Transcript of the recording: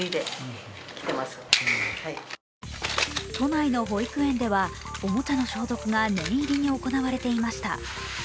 都内の保育園ではおもちゃの消毒が念入りに行われていました。